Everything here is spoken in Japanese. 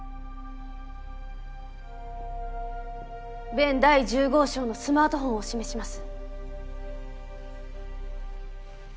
弁第１０号証のスマートフォンを示します。